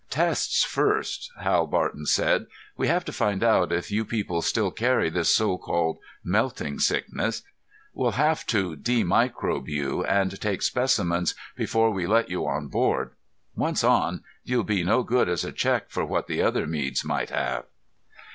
"Tests first," Hal Barton said. "We have to find out if you people still carry this so called melting sickness. We'll have to de microbe you and take specimens before we let you on board. Once on, you'll be no good as a check for what the other Meads might have."